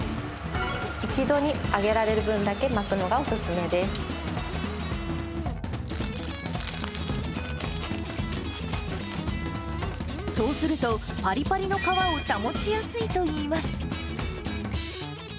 一度に上げられる分だけ巻くそうすると、ぱりぱりの皮を保ちやすいといいます。